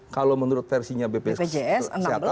kalau menurut versinya bpjs enam belas lima